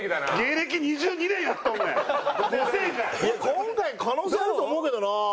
今回可能性あると思うけどな。